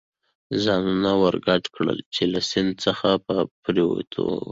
ځانونه ور ګډ کړل، چې له سیند څخه په پورېوتو و.